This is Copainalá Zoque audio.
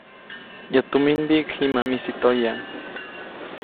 Yäʼ tuminmbiʼk jiʼ ma ʼmisi toya.